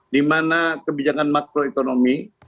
di mana kebijakan makroekonomi